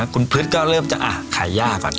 คุณพฤษก็เริ่มจะขายย่าก่อน